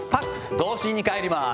童心にかえります。